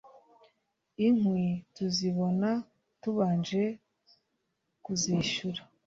inkwi tuzibona tubanje kuzishyura.